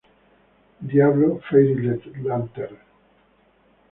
Diablo fairy-lantern.